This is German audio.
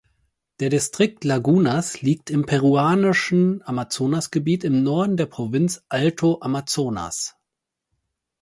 Der Distrikt Lagunas liegt im peruanischen Amazonasgebietes im Norden der Provinz Alto Amazonas.